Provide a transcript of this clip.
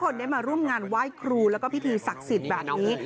คนได้มาร่วมงานไหว้ครูแล้วก็พิธีศักดิ์สิทธิ์แบบนี้